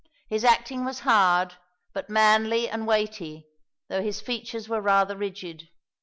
His acting was hard, but manly and weighty, though his features were rather rigid.